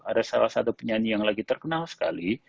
ada salah satu penyanyi yang lagi terkenal sekali